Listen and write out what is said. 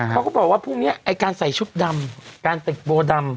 เขาก็บอกว่าพรุ่งนี้ไอ้การใส่ชุดดำการติดโบดำ